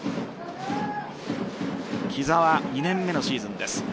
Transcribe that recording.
木澤、２年目のシーズンです。